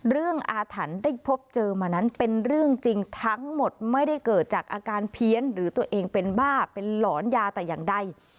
อาถรรพ์ได้พบเจอมานั้นเป็นเรื่องจริงทั้งหมดไม่ได้เกิดจากอาการเพี้ยนหรือตัวเองเป็นบ้าเป็นหลอนยาแต่อย่างใด